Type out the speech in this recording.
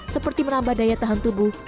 seperti menambah daya tahan tubuh